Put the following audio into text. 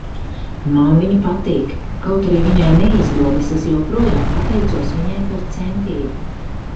Man viņa patīk. Kaut arī viņai neizdodas, es joprojām pateicos viņai par centību.